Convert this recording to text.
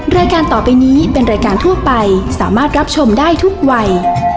รายการต่อไปนี้เป็นรายการทั่วไปสามารถรับชมได้ทุกวัย